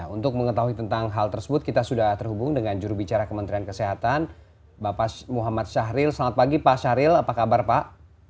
untuk mengetahui tentang hal tersebut kita sudah terhubung dengan jurubicara kementerian kesehatan bapak muhammad syahril selamat pagi pak syahril apa kabar pak